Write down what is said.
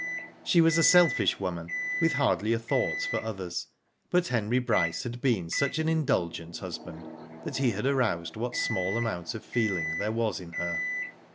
She was a selfish woman, with hardly a thought for others, but Henry Bryce had been such an indulgent husband^ that he had aroused what small amount of feeling there was in her.